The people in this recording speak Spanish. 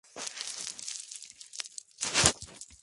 En Winnipeg hay un parque con más de trescientas de sus obras.